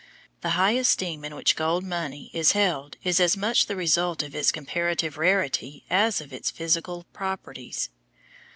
The high esteem in which gold money is held is as much the result of its comparative rarity as of its physical properties.